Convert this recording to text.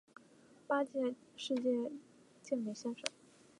八届世界健美先生。